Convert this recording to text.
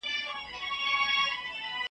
زه چي ماشوم وم په مالت کي به هرچا ویله .